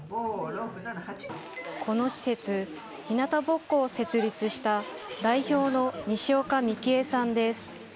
この施設、ひなたぼっこを設立した代表の西岡美紀恵さんです。